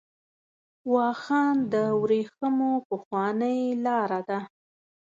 واخان د ورېښمو پخوانۍ لار ده .